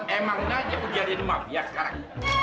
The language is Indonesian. emang nggak ya aku jadi demam ya sekarang